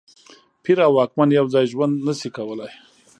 پیر او واکمن یو ځای ژوند نه شي کولای.